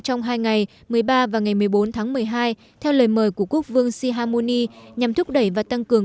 trong hai ngày một mươi ba và ngày một mươi bốn tháng một mươi hai theo lời mời của quốc vương sihamoni nhằm thúc đẩy và tăng cường